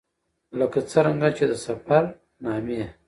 ـ لکه څرنګه چې د سفر نامې